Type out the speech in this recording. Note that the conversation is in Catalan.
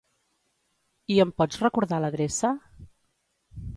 I em pots recordar l'adreça?